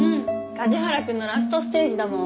梶原くんのラストステージだもん。